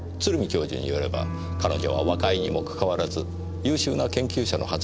教授によれば彼女は若いにもかかわらず優秀な研究者のはずですが？